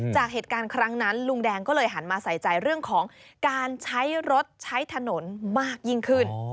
จากเหตุการณ์ครั้งนั้นลุงแดงก็เลยหันมาใส่ใจเรื่องของการใช้รถใช้ถนนมากยิ่งขึ้น